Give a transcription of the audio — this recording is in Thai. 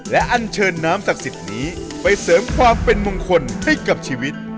และอันเชิญน้ำศักดิ์สิทธิ์นี้ไปเสริมความเป็นมงคลให้กับชีวิต